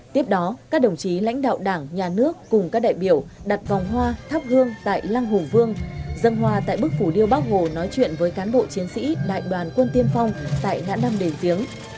tiếp đó các đồng chí lãnh đạo đảng nhà nước cùng các đại biểu đặt vòng hoa thắp hương tại lăng hùng vương dân hoa tại bức phủ điêu bác hồ nói chuyện với cán bộ chiến sĩ đại đoàn quân tiên phong tại ngã năm đền tiếng